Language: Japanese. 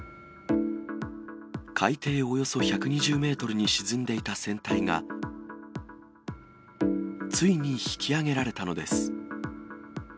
海底およそ１２０メートルに沈んでいた船体が、ついに引き揚げられたのです。